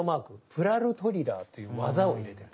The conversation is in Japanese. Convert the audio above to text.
プラルトリラーという技を入れてる。